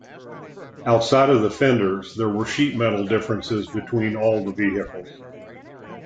Outside of the fenders, there were sheet metal differences between all the vehicles.